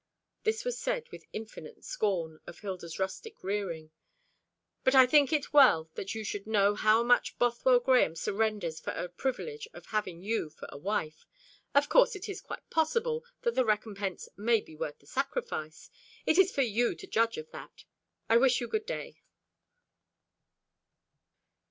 This was said with infinite scorn of Hilda's rustic rearing. "But I think it well that you should know how much Bothwell Grahame surrenders for the privilege of having you for a wife. Of course it is quite possible that the recompense may be worth the sacrifice. It is for you to judge of that. I wish you good day."